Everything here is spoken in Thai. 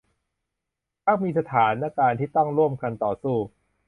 มักมีสถานการณ์ที่ต้องร่วมกันต่อสู้